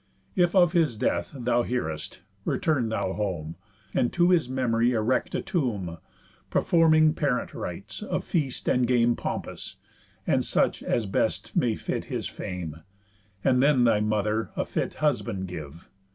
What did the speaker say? If of his death thou hear'st, return thou home, And to his memory erect a tomb, Performing parent rites, of feast and game, Pompous, and such as best may fit his fame; And then thy mother a fit husband give.